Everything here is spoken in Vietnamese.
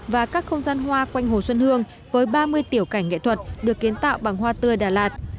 và các không gian hoa quanh hồ xuân hương với ba mươi tiểu cảnh nghệ thuật được kiến tạo bằng hoa tươi đà lạt